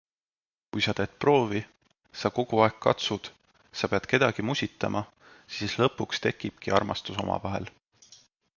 Kui sa teed proovi, sa kogu aeg katsud, sa pead kedagi musitama - siis lõpuks tekibki armastus omavahel.